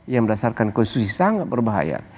yang berdasarkan konstitusi sangat berbahaya